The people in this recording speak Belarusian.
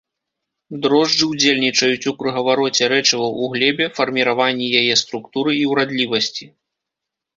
Дрожджы ўдзельнічаюць у кругавароце рэчываў у глебе, фарміраванні яе структуры і ўрадлівасці.